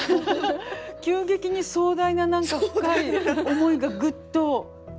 急激に壮大な何か深い思いがグッと。